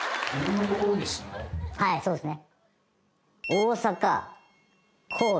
はいそうですね。